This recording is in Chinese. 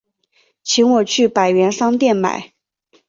请我去百元商店买